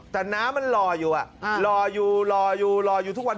แต่น้ำมันหล่ออยู่หล่ออยู่หล่ออยู่หล่ออยู่ทุกวัน